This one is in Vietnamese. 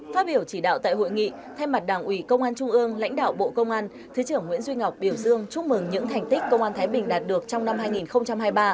phát biểu chỉ đạo tại hội nghị thay mặt đảng ủy công an trung ương lãnh đạo bộ công an thứ trưởng nguyễn duy ngọc biểu dương chúc mừng những thành tích công an thái bình đạt được trong năm hai nghìn hai mươi ba